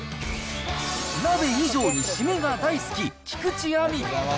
鍋以上に締めが大好き、菊地亜美。